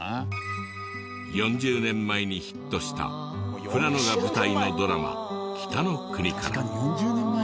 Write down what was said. ４０年前にヒットした富良野が舞台のドラマ『北の国から』。